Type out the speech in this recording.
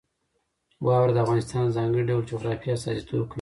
واوره د افغانستان د ځانګړي ډول جغرافیه استازیتوب کوي.